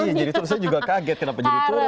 iya jadi terus saya juga kaget kenapa jadi turun